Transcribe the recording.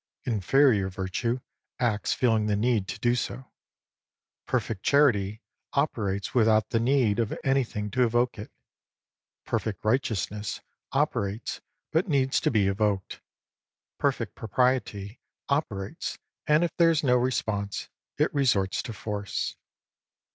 Inferior Virtue acts, feeling the need to do so. Perfect Charity operates without the need of anything to evoke it. Perfect Righteousness operates, but needs to be evoked. Perfect Propriety operates, and if there is no response, it resorts to force.